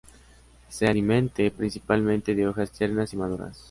Se alimente principalmente de hojas tiernas y maduras.